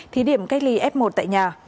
thì điểm cách ly f một tại nhà